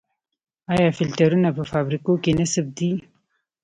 آیا فلټرونه په فابریکو کې نصب دي؟